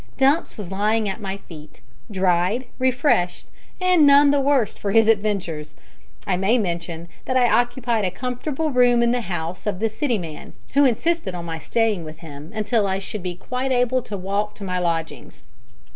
Dumps was lying at my feet dried, refreshed, and none the worse for his adventures. I may mention that I occupied a comfortable room in the house of the "City man," who insisted on my staying with him until I should be quite able to walk to my lodgings.